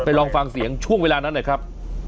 ลองฟังเสียงช่วงเวลานั้นหน่อยครับ